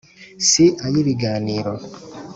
Si ay' ibiganiro,